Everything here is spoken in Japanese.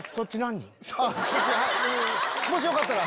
もしよかったら！